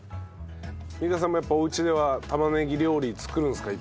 美香さんもやっぱお家では玉ねぎ料理作るんですか？